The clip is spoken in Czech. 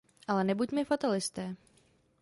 Ale nebuďme fatalisté.